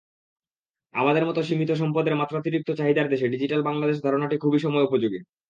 আমাদের মতো সীমিত সম্পদের মাত্রাতিরিক্ত চাহিদার দেশে ডিজিটাল বাংলাদেশ ধারণাটি খুবই সময়োপযোগী।